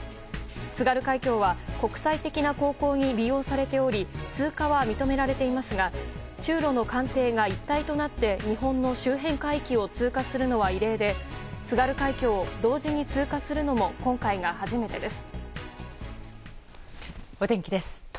津軽海峡は国際的な航行に利用されており通過は認められていますが中露の艦艇が一体となって日本の周辺海域を通過するのは異例で津軽海峡を同時に通過するのも今回が初めてです。